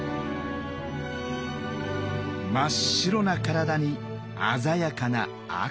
真っ白な体に鮮やかな赤。